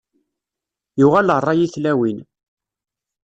Yuɣal rray i tlawin.